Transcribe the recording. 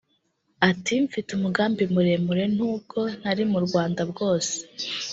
Ati “Mfite umugambi muremure nubwo ntari mu rwanda bwose